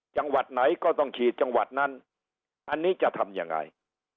จังหวัดไหนก็ต้องฉีดจังหวัดนั้นอันนี้จะทำยังไง